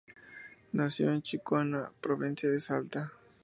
Nació en Chicoana, Provincia de Salta.